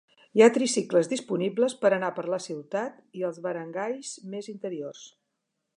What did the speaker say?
Hi ha tricicles disponibles per anar per la ciutat i els barangays més interiors.